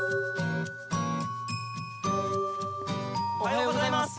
おはようございます！